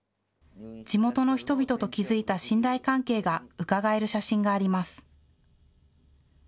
地元の人々と築いた信頼関係がうかがえる写真があります。